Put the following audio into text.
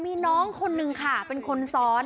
มีน้องคนนึงค่ะเป็นคนซ้อน